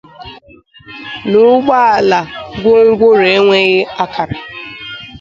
nà ụgbọala gwongworo enweghị akara.